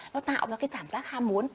nó tạo ra cái cảm giác ham muốn